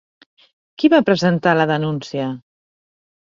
Qui va presentar la denúncia?